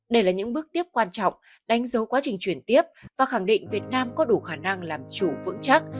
đây là những bước tiếp quan trọng đánh dấu quá trình chuyển tiếp và khẳng định việt nam có đủ khả năng làm chủ vững chắc